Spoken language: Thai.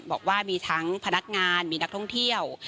บอกว่ามีทั้งพนักงานมีนักท่องเที่ยว